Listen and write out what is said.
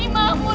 di mana mereka